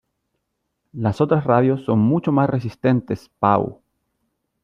¡Las otras radios son mucho más resistentes, Pau!